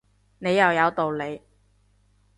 你又有道理